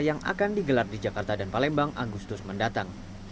yang akan digelar di jakarta dan palembang agustus mendatang